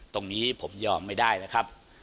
ตรงนี้ผมยอมไม่ได้นะครับ